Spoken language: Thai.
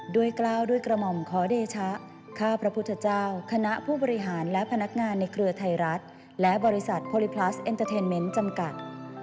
กล้าวด้วยกระหม่อมขอเดชะข้าพระพุทธเจ้าคณะผู้บริหารและพนักงานในเครือไทยรัฐและบริษัทโพลิพลัสเอ็นเตอร์เทนเมนต์จำกัด